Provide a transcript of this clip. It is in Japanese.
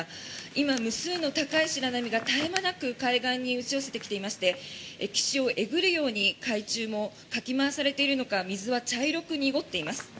今、無数の高い白波が絶え間なく海岸に打ち寄せてきていまして岸をえぐるように海中もかき回されているのか水は茶色く濁っています。